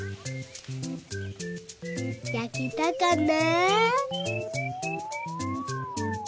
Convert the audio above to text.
やけたかな？